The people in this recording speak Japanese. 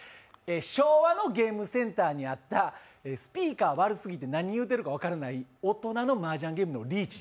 昭和のゲームセンターにあったスピーカー悪すぎて何言うてるか分からない大人のマージャンゲームのリーチ。